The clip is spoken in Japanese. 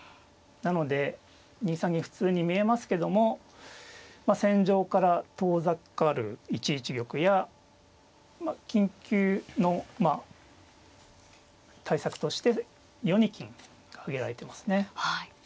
なので２三銀普通に見えますけども戦場から遠ざかる１一玉や緊急のまあ対策として４二金が挙げられてますね。